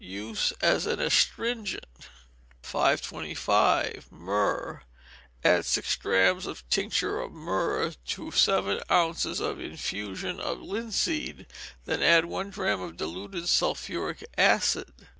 Use as an astringent. 525. Myrrh. Add six drachms of tincture of myrrh to seven ounces of infusion of linseed, and then add one drachm of diluted sulphuric acid.